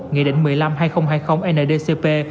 nghị định một mươi năm hai nghìn hai mươi ndcp